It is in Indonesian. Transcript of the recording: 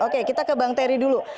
oke kita ke bang terry dulu